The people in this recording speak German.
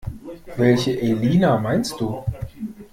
Welche Elina meinst du?